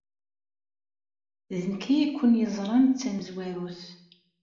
D nekk ay ken-yeẓran d tamezwarut.